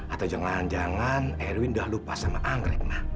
atau jangan jangan erwin udah lupa sama angrek ma